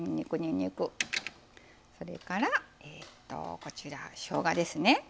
それからこちらしょうがですね。